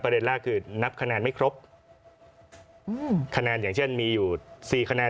แรกคือนับคะแนนไม่ครบคะแนนอย่างเช่นมีอยู่สี่คะแนน